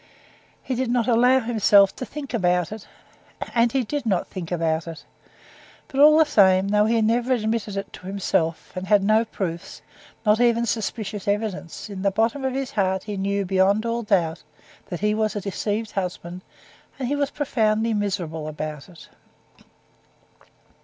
He did not allow himself to think about it, and he did not think about it; but all the same though he never admitted it to himself, and had no proofs, not even suspicious evidence, in the bottom of his heart he knew beyond all doubt that he was a deceived husband, and he was profoundly miserable about it.